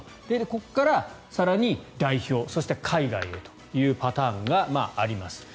ここから更に代表そして海外へというパターンがあります。